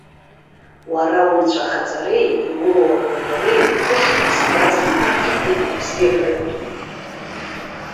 Уара унцәахаҵареи, иулоу агәрагареи, уҟәышреи сгәаҵан идырҿыхеит убзиабара ду.